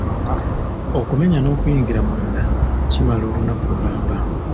Okumenya n'okuyingira munda kimala olunaku lulamba.